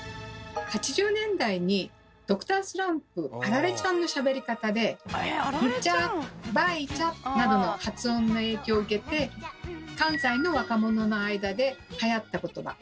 ８０年代に「Ｄｒ．スランプアラレちゃん」のしゃべり方で「んちゃ」「ばいちゃ」などの発音の影響を受けて関西の若者の間ではやった言葉と言われてます。